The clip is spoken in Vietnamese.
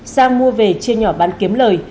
sang mua về chia nhỏ bán kiếm lời